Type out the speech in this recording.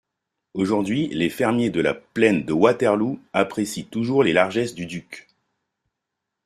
Aujourd'hui, les fermiers de la plaine de Waterloo apprécient toujours les largesses du duc.